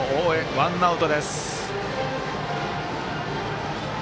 ワンアウトです。